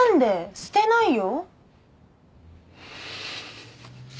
捨てないよ！